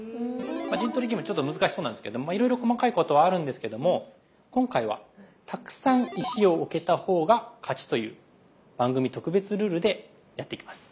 陣取りゲームちょっと難しそうなんですけどもいろいろ細かいことはあるんですけども今回は「たくさん石を置けた方が勝ち」という番組特別ルールでやっていきます。